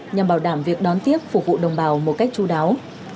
nhằm bảo đảm việc đón tiếp phục vụ đồng bào một cách chú đáo